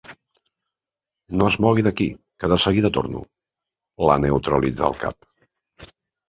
No es mogui d'aquí, que de seguida torno —la neutralitza el cap.